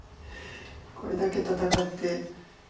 これだけ戦って。